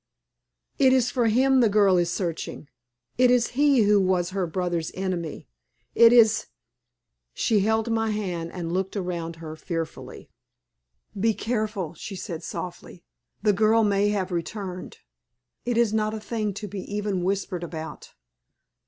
"It is for him the girl is searching. It is he who was her brother's enemy; it is " She held my hand and looked around her fearfully. "Be careful," she said, softly. "The girl may have returned. It is not a thing to be even whispered about.